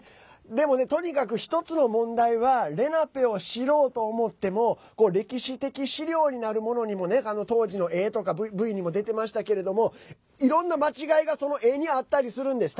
でも、とにかく１つの問題はレナペを知ろうと思っても歴史的資料になるものにも当時の絵とかＶＴＲにも出てましたけどいろんな間違いが絵にあったりするんです。